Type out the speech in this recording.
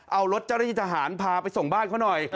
เอารถเจ้าหน้าที่ทหารพาไปส่งบ้านเขาหน่อย